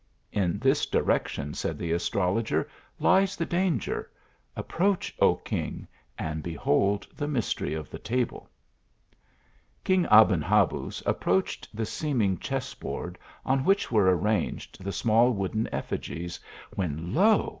" In this direction " said the astrologer, " lies the danger approach, O king, and behold the mystery of the table." King Aben Habuz approached the seeming chess board, on which were arranged the small wooden effigies ; when lo